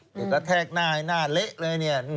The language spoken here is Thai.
แล้วก็แทกหน้าให้หน้าเละเลย